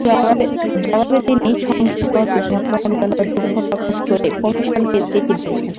জবাবে তিন সাংসদ ঘটনার জন্য দুঃখ প্রকাশ করে কমিশনকে চিঠি দিয়েছেন।